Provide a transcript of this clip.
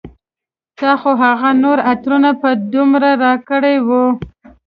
تا خو هغه نور عطر په دومره راکړي و